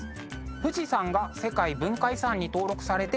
富士山が世界文化遺産に登録されて１０年。